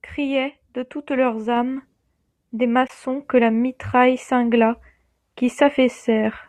Criaient, de toute leur âme, des maçons que la mitraille cingla, qui s'affaissèrent.